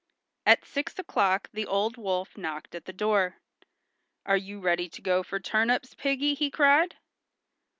At six o'clock the old wolf knocked at the door. "Are you ready to go for the turnips, Piggy?" he cried.